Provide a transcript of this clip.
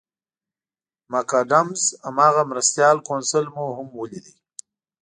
مک اډمز هماغه مرستیال کونسل مو هم ولید.